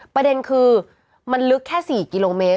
ประเด็นคือมันลึกแค่๔กิโลเมตร